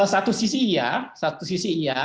satu sisi iya satu sisi iya